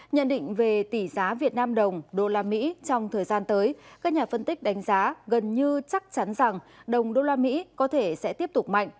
nhận định về tỷ giá việt nam đồng usd trong thời gian tới các nhà phân tích đánh giá gần như chắc chắn rằng đồng usd có thể sẽ tiếp tục mạnh